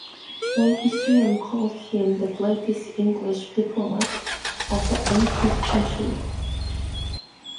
One historian called him the greatest English diplomat of the eighteenth century.